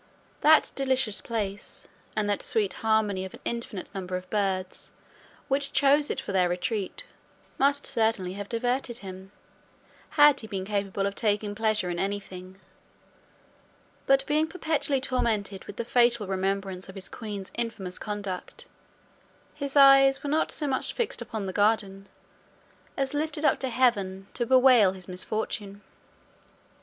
That delicious place, and the sweet harmony of an infinite number of birds, which chose it for their retreat, must certainly have diverted him, had he been capable of taking pleasure in anything; but being perpetually tormented with the fatal remembrance of his queen's infamous conduct, his eyes were not so much fixed upon the garden, as lifted up to heaven to bewail his misfortune.